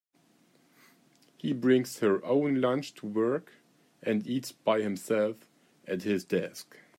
He brings her own lunch to work, and eats by himself at his desk.